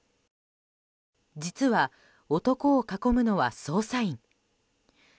実は、男を囲むのは捜査員。